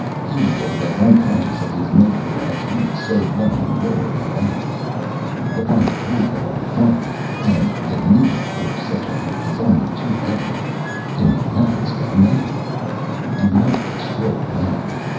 He is as unconscious of his maker as we so long were of ours. The final proof of our equality and the need for such a proof is only too evident can be had experimentally. Do not destroy man.